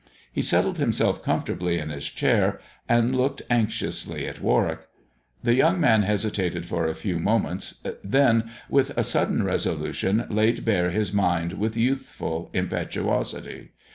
He settled himself comfortably in his chair, and looked anxiously at Warwick. The young man hesitated for a few THE dwarf's chamber 107 moments, then with a sudden resolution laid bare his mind with youthful impetuosity.